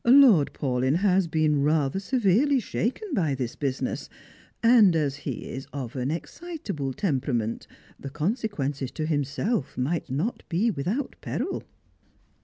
" Lord Paulyn has been rather severely shaken by this business, and as he is of an excitable temperament, the consequences to himself might not be without peril."